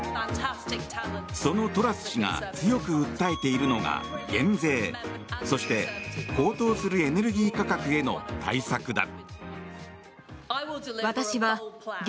そのトラス氏が強く訴えているのが減税そして、高騰するエネルギー価格への対策だ。